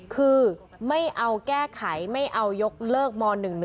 คือไม่เอาแก้ไขไม่เอายกเลิกม๑๑